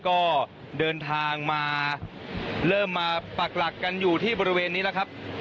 ก็เดินทางมาเริ่มมาปักหลักกันอยู่ที่บริเวณนี้แล้วครับ